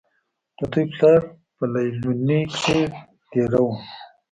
د دوي پلار پۀ ليلونۍ کښې دېره وو